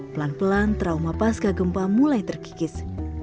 pelan pelan trauma pasca gempa mulai terkikis